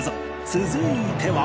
続いては